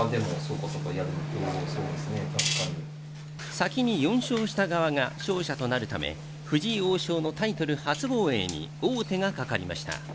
先に４勝した側が勝者となるため、藤井王将のタイトル初防衛に王手がかかりました。